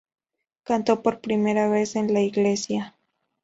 Cantó por primera vez en la iglesia.